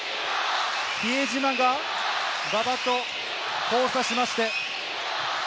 比江島が馬場と交差しまして。